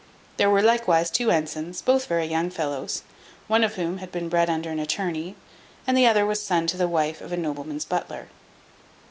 There were likewise two ensigns, both very young fellows; one of whom had been bred under an attorney, and the other was son to the wife of a nobleman's butler.